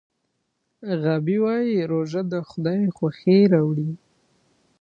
غابي وایي روژه د خدای خوښي راوړي.